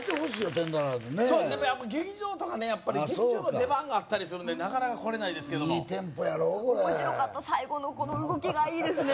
テンダラーね劇場の出番があったりするんでなかなか来れないですけどもいいテンポやろ面白かった最後この動きがいいですね